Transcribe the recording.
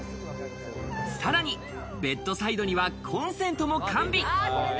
さらにベッドサイドにはコンセントも完備。